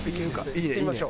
いいねいいね。